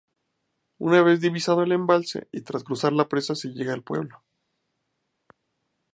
Una vez divisado el embalse y tras cruzar la presa se llega al pueblo.